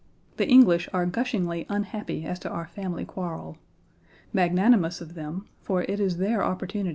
The English are gushingly unhappy as to our family quarrel. Magnanimous of them, for it is their opportunity. 1. Stephen R.